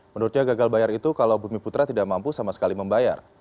menurutnya gagal bayar itu kalau bumi putra tidak mampu sama sekali membayar